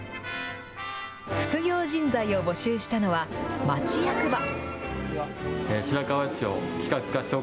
副業人材を募集したのは、町役場。